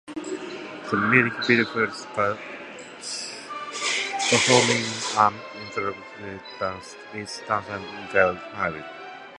The music video featured Bush performing an interpretive dance with dancer Michael Hervieu.